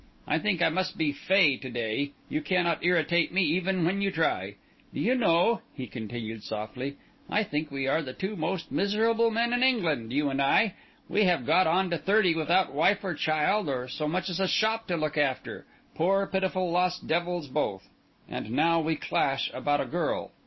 I think I must be fey to day; you cannot irritate me even when you try. Do you know," he continued softly, "I think we are the two most miserable men in England, you and I? we have got on to thirty without wife or child, or so much as a shop to look after—poor, pitiful, lost devils, both! And now we clash about a girl!